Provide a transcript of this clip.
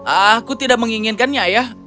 aku tidak menginginkannya ayah